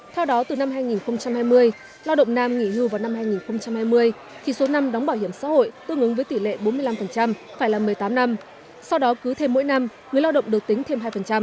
theo đó từ năm hai nghìn hai mươi lao động nam nghỉ hưu vào năm hai nghìn hai mươi thì số năm đóng bảo hiểm xã hội tương ứng với tỷ lệ bốn mươi năm phải là một mươi tám năm sau đó cứ thêm mỗi năm người lao động được tính thêm hai